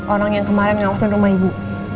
orang yang kemarin ngawasan rumah ibu